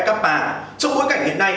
các bà trong bối cảnh hiện nay